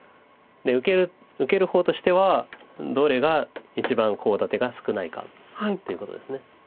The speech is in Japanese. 受ける方としてはどれが一番コウ立てが少ないかということです。